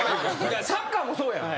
サッカーもそうやん。